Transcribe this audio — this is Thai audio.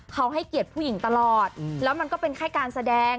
เขาให้เกียรติผู้หญิงตลอดแล้วมันก็เป็นแค่การแสดง